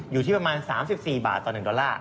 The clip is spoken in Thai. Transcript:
อยู่ที่ประมาณ๓๔บาทต่อ๑ดอลลาร์